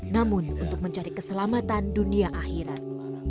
namun untuk mencari keselamatan dunia akhirat